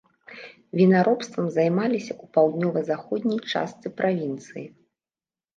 Вінаробствам займаліся ў паўднёва-заходняй частцы правінцыі.